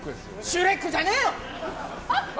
シュレックじゃねーよ！